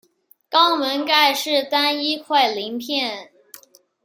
肛门盖是单一块鳞片。